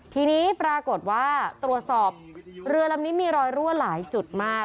ทีนี้ปรากฏว่าตรวจสอบเรือลำนี้มีรอยรั่วหลายจุดมาก